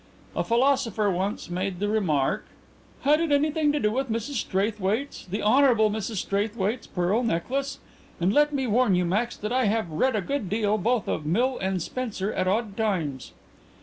"A philosopher once made the remark " "Had it anything to do with Mrs Straithwaite's the Hon. Mrs Straithwaite's pearl necklace? And let me warn you, Max, that I have read a good deal both of Mill and Spencer at odd times."